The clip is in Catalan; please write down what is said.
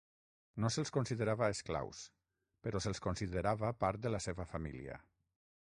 No se'ls considerava esclaus, però se'ls considerava part de la seva família.